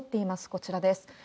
こちらです。